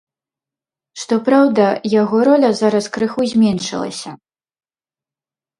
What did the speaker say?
Што праўда, яго роля зараз крыху зменшылася.